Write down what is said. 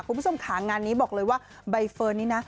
คุณผู้ชมค่ะงานนี้บอกเลยว่าใบเฟิร์นนี้นะ